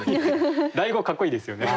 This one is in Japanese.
「雷轟」かっこいいですよね。